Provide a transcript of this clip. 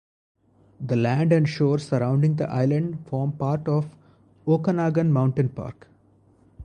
The land and shore surrounding the island form part of Okanagan Mountain Park.